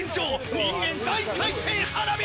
人間大回転花火。